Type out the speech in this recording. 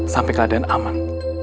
sampai keadaan aman